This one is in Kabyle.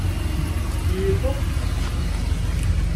Tettkeyyifeḍ?